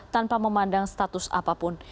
tanpa memandang status apapun